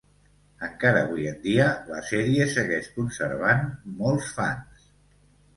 Encara avui en dia, la sèrie segueix conservant molts fans.